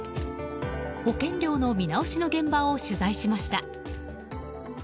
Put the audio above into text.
保険料の見直しの現場を取材しました。